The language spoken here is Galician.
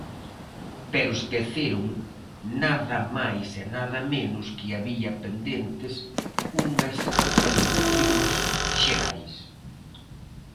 Pero esqueceron nada máis e nada menos que había pendentes unhas eleccións xerais.